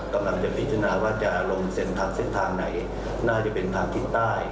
กำลังจะพิจารณาว่าจะลงเส้นทางเส้นทางไหนน่าจะเป็นทางทิศใต้